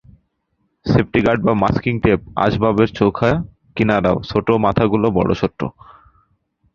Safety guard বা masking tape আসবাবের চোখা কিনারা ছোট মাথাগুলোর বড় শত্রু।